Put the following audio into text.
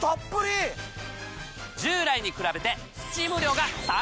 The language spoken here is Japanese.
従来に比べて。